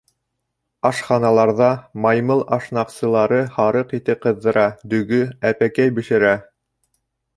Ашханаларҙа маймыл ашнаҡсылары һарыҡ ите ҡыҙҙыра, дөгө, әпәкәй бешерә.